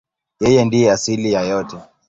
Yeye ndiye asili ya yote.